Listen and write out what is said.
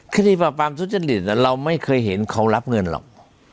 คดีปราบปรามทุจริตเราไม่เคยเห็นเขารับเงินหรอก